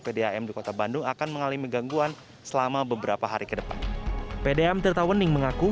pdm di kota bandung akan mengalami gangguan selama beberapa hari kedepan pdm tirtawaning mengaku